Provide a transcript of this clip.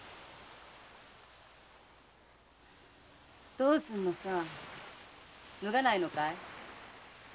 どうすんのさ脱がないのかい？